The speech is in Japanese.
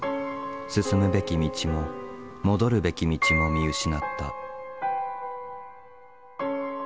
進むべき道も戻るべき道も見失った。